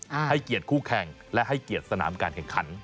ให้เกียรติคู่แข่งและให้เกียรติสนามการแข่งขัน